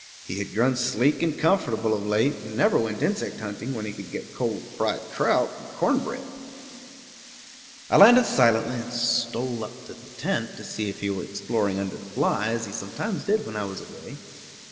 He had grown sleek and comfortable of late, and never went insect hunting when he could get cold fried trout and corn bread. I landed silently and stole up to the tent to see if he were exploring under the fly, as he sometimes did when I was away.